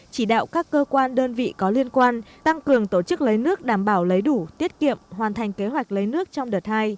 chỉ đạo các cơ quan đơn vị có liên quan tăng cường tổ chức lấy nước đảm bảo lấy đủ tiết kiệm hoàn thành kế hoạch lấy nước trong đợt hai